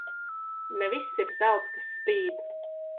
Ne viss ir zelts, kas spīd.